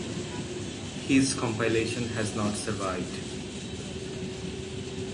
His compilation has not survived.